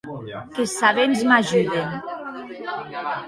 Qu’es sabents m’ajuden.